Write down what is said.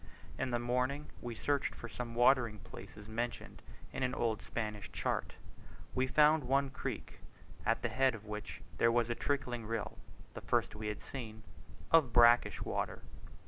In the morning we searched for some watering places mentioned in an old Spanish chart. We found one creek, at the head of which there was a trickling rill (the first we had seen) of brackish water.